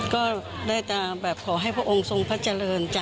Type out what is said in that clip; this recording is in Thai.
ก็ได้กระเบบขอให้พ่อองค์ทรงพ่อเจริญ